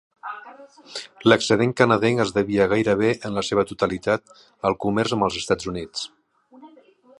L'excedent canadenc es devia gairebé en la seva totalitat al comerç amb els Estats Units.